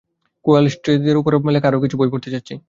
কোয়ালিস্টদের উপর লেখা আরো কিছু বই পড়তে চাচ্ছি।